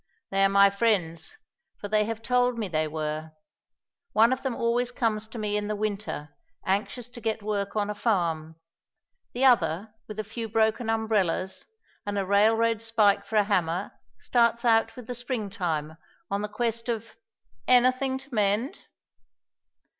They are my friends, for they have told me they were. One of them always comes to me in the Winter anxious to get work on a farm; the other with a few broken umbrellas and a railroad spike for a hammer, starts out with the Springtime on the quest of "anything to mend."